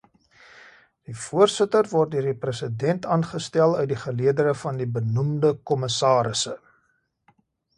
Die voorsitter word deur die President aangestel uit die geledere van die benoemde kommissarisse.